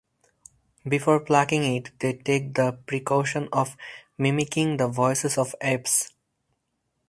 Before plucking it they take the precaution of mimicking the voices of apes.